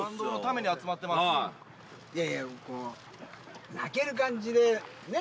いやいや、こう泣ける感じで。ねぇ？